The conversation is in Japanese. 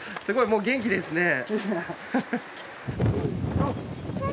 すごいもう元気ですね。